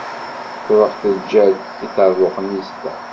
Truḥ teǧǧa-d iṭerbuqen-is da.